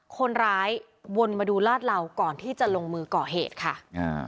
วนมาดูลาดเหล่าก่อนที่จะลงมือก่อเหตุค่ะอ่า